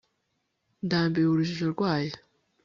ndambiwe urujijo rwayo